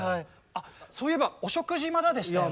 そういえばお食事まだでしたよね？